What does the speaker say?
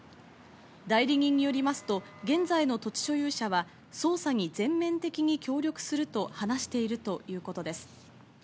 代理人によりますと、現在の土地所有者は捜査に全面的に協力すると話しているということです。